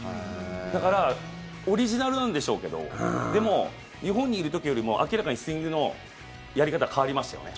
だからオリジナルなんでしょうけどでも、日本にいる時よりも明らかにスイングのやり方変わりましたよね。